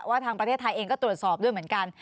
ทางประเทศไทยเองก็ตรวจสอบด้วยเหมือนกัน